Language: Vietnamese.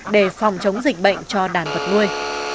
để phòng chống dịch bệnh cho đàn vật nuôi